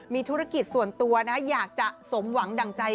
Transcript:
มีธุรกิจส่วนตัวนะอยากจะสมหวังดั่งใจ